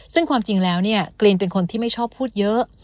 ซึ่งความจริงแล้วเนี่ยกรีนเป็นคนที่ไม่ชอบพูดเยอะ